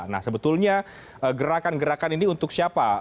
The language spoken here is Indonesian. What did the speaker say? nah sebetulnya gerakan gerakan ini untuk siapa